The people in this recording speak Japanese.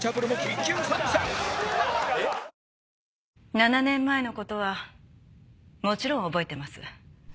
７年前の事はもちろん覚えてます。